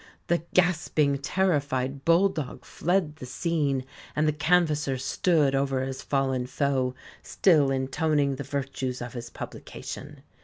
The gasping, terrified bull dog fled the scene, and the canvasser stood over his fallen foe, still intoning the virtues of his publication.